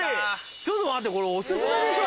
ちょっと待ってこれオススメでしょ。